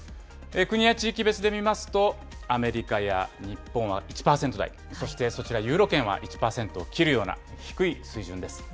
国や地域別で見ますと、アメリカや日本は１％台、そしてそちら、ユーロ圏は１％を切るような、低い水準です。